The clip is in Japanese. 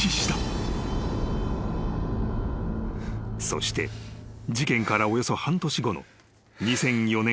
［そして事件からおよそ半年後の２００４年５月］